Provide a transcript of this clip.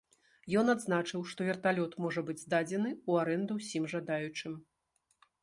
Ён адзначыў, што верталёт можа быць здадзены ў арэнду ўсім жадаючым.